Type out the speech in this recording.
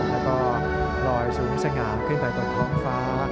และลอยสูงสง่าขึ้นไปตรงเถา๊งฟ้า